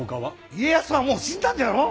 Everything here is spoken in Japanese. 家康はもう死んだんじゃろう？